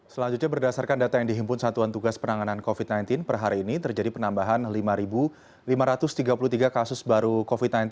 selanjutnya berdasarkan data yang dihimpun satuan tugas penanganan covid sembilan belas per hari ini terjadi penambahan lima lima ratus tiga puluh tiga kasus baru covid sembilan belas